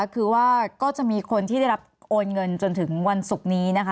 คือว่าก็จะมีคนที่ได้รับโอนเงินจนถึงวันศุกร์นี้นะคะ